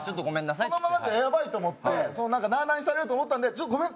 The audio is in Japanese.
このままじゃやばいと思ってなあなあにされると思ったんで「ごめん！